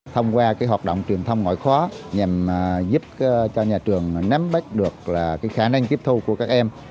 thông qua cái hoạt động truyền thông ngoại khóa nhằm giúp cho nhà trường nắm bách được cái khả năng kiếp thu của các em